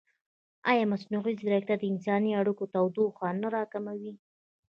ایا مصنوعي ځیرکتیا د انساني اړیکو تودوخه نه راکموي؟